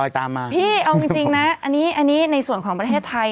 ตามมาพี่เอาจริงนะอันนี้ในส่วนของประเทศไทย